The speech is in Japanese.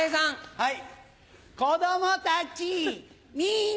はい。